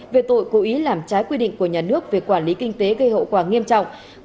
về tội cố ý làm trái quy định của nhà nước về quản lý kinh tế gây hậu quả nghiêm trọng